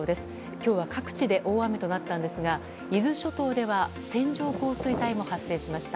今日は各地で大雨となったんですが伊豆諸島では線状降水帯も発生しました。